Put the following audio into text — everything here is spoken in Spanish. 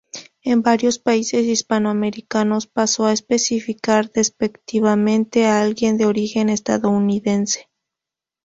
En varios países hispanoamericanos pasó a especificar despectivamente a alguien de origen estadounidense.